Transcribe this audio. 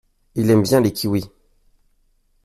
Il aime bien les kiwis.